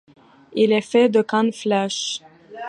Il est fait de canne flèche.